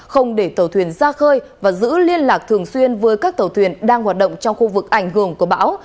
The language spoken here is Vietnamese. không để tàu thuyền ra khơi và giữ liên lạc thường xuyên với các tàu thuyền đang hoạt động trong khu vực ảnh hưởng của bão